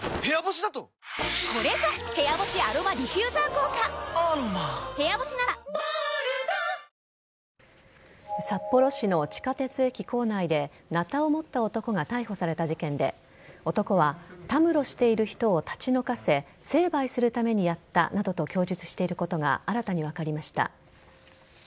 今回はスピード重視の迅速承認とされ札幌市の地下鉄駅構内でなたを持った男が逮捕された事件で男はたむろしている人たちを立ち退かせ成敗するためにやったなどと供述していることが新たに分かりました。